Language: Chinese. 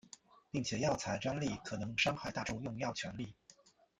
并且药材专利可能伤害大众用药权利。